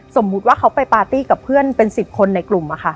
สมมุติว่าเขาไปปาร์ตี้กับเพื่อนเป็น๑๐คนในกลุ่ม